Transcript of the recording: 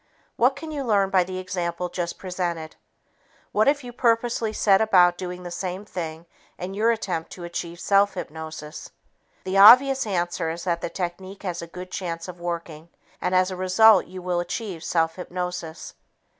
What can you learn by the example just presented? What if you purposely set about doing the same thing in your attempt to achieve self hypnosis? The obvious answer is that the technique has a good chance of working, and as a result you will achieve self hypnosis.